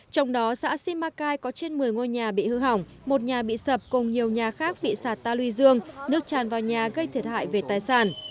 trong đó xã simacai có trên một mươi ngôi nhà bị hư hỏng một nhà bị sập cùng nhiều nhà khác bị sạt ta luy dương nước tràn vào nhà gây thiệt hại về tài sản